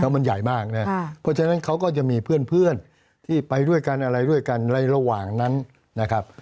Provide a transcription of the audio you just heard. เพราะฉะนั้นเขาก็จะมีเพื่อนที่ไปด้วยกันอะไรด้วยกันอะไรระหว่างนั้นนะครับ